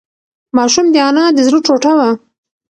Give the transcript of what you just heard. ماشوم د انا د زړه ټوټه وه.